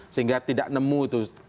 sehingga tidak nemu itu